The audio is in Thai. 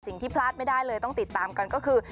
พลาดไม่ได้เลยต้องติดตามกันก็คือ